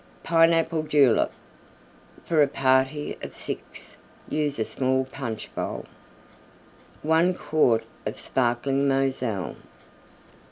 PINEAPPLE JULEP (for a party of 6 Use a small punch bowl) 1 quart of Sparkling Moselle.